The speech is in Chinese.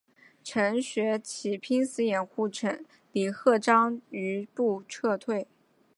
程学启拼死掩护李鹤章余部撤退。